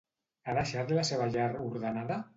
Ha deixat la seva llar ordenada?